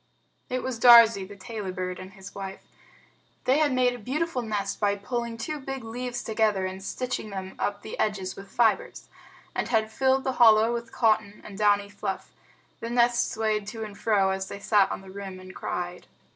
It was Darzee, the Tailorbird, and his wife. They had made a beautiful nest by pulling two big leaves together and stitching them up the edges with fibers, and had filled the hollow with cotton and downy fluff. The nest swayed to and fro, as they sat on the rim and cried.